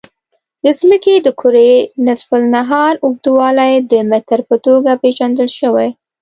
د ځمکې د کرې نصف النهار اوږدوالی د متر په توګه پېژندل شوی.